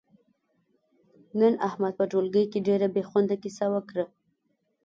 نن احمد په ټولگي کې ډېره بې خونده کیسه وکړه،